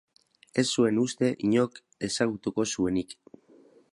Ez zuen uste inork ezagutuko zuenik.